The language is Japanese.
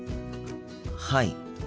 はい。